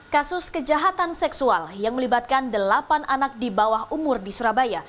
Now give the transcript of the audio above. kasus kejahatan seksual yang melibatkan delapan anak di bawah umur di surabaya